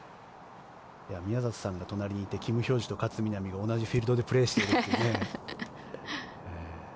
宮里さんが隣にいてキム・ヒョージュと勝みなみが同じフィールドでプレーしているというね。